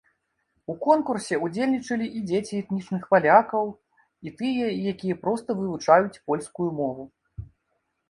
У конкурсе ўдзельнічалі і дзеці этнічных палякаў, і тыя, якія проста вывучаюць польскую мову.